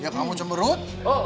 ya kamu cemberut